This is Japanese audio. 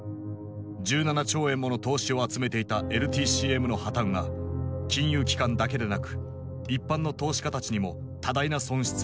１７兆円もの投資を集めていたＬＴＣＭの破綻は金融機関だけなく一般の投資家たちにも多大な損失をもたらした。